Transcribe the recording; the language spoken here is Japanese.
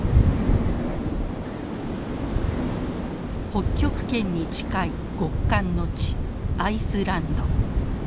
北極圏に近い極寒の地アイスランド。